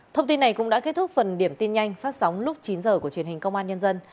thông tin này cũng đã kết thúc phần điểm tin nhanh phát sóng lúc chín h của truyền hình công an nhân dân